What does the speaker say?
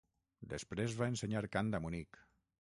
Després va ensenyar cant a Munic.